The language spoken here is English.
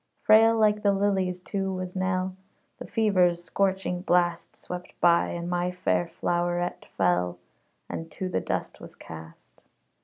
Frail like the lilies, too, was Nell. The fever's scorching blast Swept by, and my fair flowerette fell, And to the dust was cast.